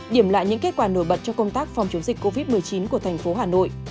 điểm lại những kết quả nổi bật trong công tác phòng chống dịch covid một mươi chín của thành phố hà nội